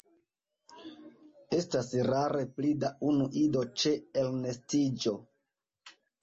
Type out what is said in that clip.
Estas rare pli da unu ido ĉe elnestiĝo.